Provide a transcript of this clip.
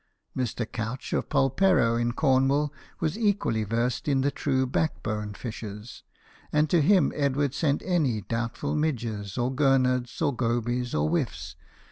Mr. Couch, of Polperro in Cornwall, was equally versed in the true backboned fishes ; and to him Edward sent any doubtful midges, or gurnards, or gobies, or whiffs.